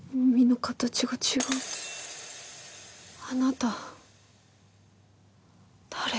あなた誰？